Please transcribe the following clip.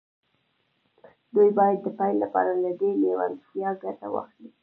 دوی باید د پیل لپاره له دې لېوالتیا ګټه واخلي